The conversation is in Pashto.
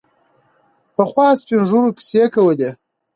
پخوا سپین ږیرو کیسې کولې.